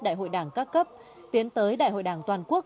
đại hội đảng các cấp tiến tới đại hội đảng toàn quốc